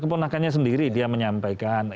keponakannya sendiri dia menyampaikan